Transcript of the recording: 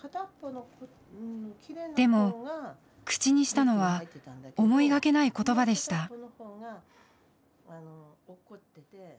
でも口にしたのは思いがけない言葉でした。